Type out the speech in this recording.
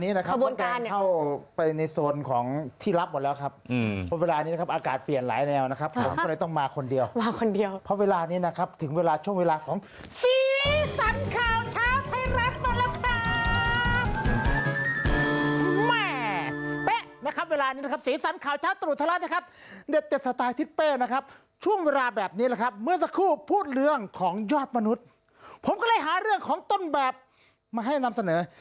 มีความรู้สึกว่ามีความรู้สึกว่ามีความรู้สึกว่ามีความรู้สึกว่ามีความรู้สึกว่ามีความรู้สึกว่ามีความรู้สึกว่ามีความรู้สึกว่ามีความรู้สึกว่ามีความรู้สึกว่ามีความรู้สึกว่ามีความรู้สึกว่ามีความรู้สึกว่ามีความรู้สึกว่ามีความรู้สึกว่ามีความรู้สึกว